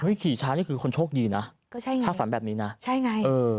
ขี่ช้านี่คือคนโชคดีนะก็ใช่ไงถ้าฝันแบบนี้นะใช่ไงเออ